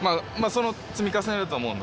その積み重ねだと思うので。